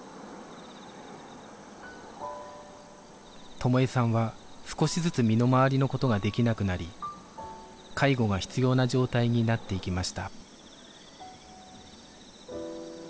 友枝さんは少しずつ身の回りのことができなくなり介護が必要な状態になっていきました